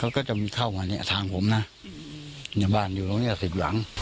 เขาก็จะมีเข้ามาเนี่ยทางผมนะเนี่ยบ้านอยู่ตรงเนี้ยสิบหลัง